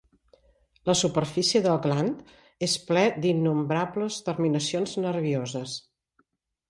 La superfície del gland és ple d'innombrables terminacions nervioses.